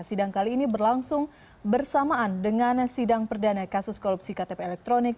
sidang kali ini berlangsung bersamaan dengan sidang perdana kasus korupsi ktp elektronik